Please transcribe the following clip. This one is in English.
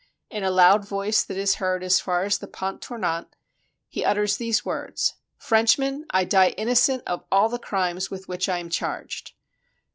In a loud voice that is heard as far as the Pont Tournant he utters these words: "Frenchmen, I die in nocent of all the crimes with which I am charged."